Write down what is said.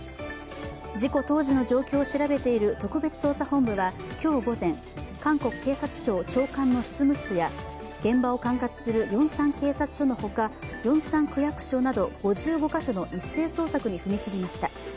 事故当時の状況を調べている特別捜査本部は今日午前、韓国警察庁長官の執務室や現場を管轄するヨンサン警察署のほか、ヨンサン区役所など５５か所の一斉捜索に踏み切りました。